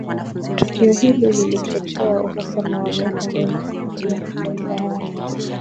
Tukio hili lilichochea uhasama wa miaka mingi kati ya mataifa hayo